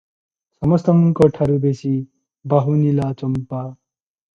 ସମସ୍ତଙ୍କଠାରୁ ବେଶି ବାହୁନିଲା ଚମ୍ପା ।